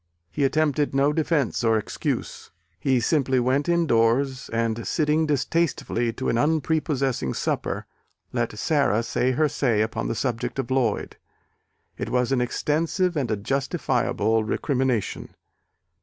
He attempted no defence or excuse. He simply went indoors, and sitting distastefully to an unprepossessing supper, let Sara say her say upon the subject of Lloyd: it was an extensive and a justifiable recrimination.